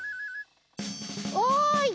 おい！